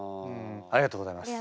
ありがとうございます。